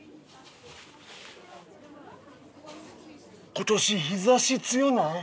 今年日差し強ない？